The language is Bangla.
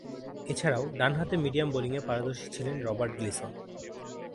এছাড়াও, ডানহাতে মিডিয়াম বোলিংয়ে পারদর্শী ছিলেন রবার্ট গ্লিসন।